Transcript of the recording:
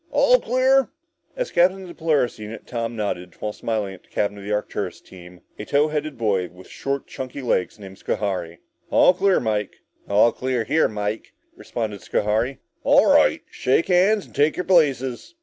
All clear?" As captain of the Polaris unit, Tom nodded, while smiling at the captain of the Arcturus team, a tow headed boy with short chunky legs named Schohari. "All clear, Mike," said Tom. "All clear here, Mike," responded Schohari. "All right, shake hands and take your places."